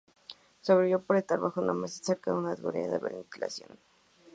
Sobrevivió por estar bajo una mesa cerca de una tubería de ventilación.